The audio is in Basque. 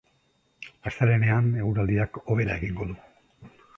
Astelehenean eguraldiak hobera egingo du.